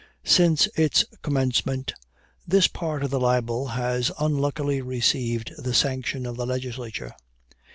Since its commencement, this part of the libel has unluckily received the sanction of the Legislature.